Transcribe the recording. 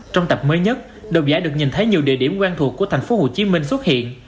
trong tập mới nhất độc giả được nhìn thấy nhiều địa điểm quen thuộc của thành phố hồ chí minh xuất hiện